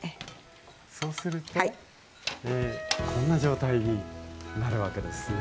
そうするとこんな状態になるわけですね。